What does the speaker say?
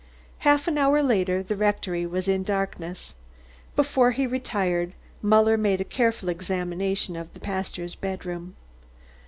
Half an hour later the rectory was in darkness. Before he retired, Muller had made a careful examination of the pastor's bedroom.